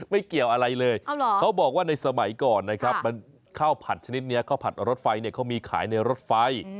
ไม่เกี่ยวอะไรเลยเขาบอกว่าในสมัยก่อนนะครับข้าวผัดชนิดนี้ข้าวผัดรถไฟเนี่ยเขามีขายในรถไฟ